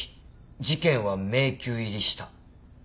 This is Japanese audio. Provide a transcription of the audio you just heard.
事件は迷宮入りした。